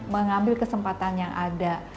mengambil kesempatan yang ada